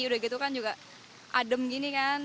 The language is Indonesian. udah gitu kan juga adem gini kan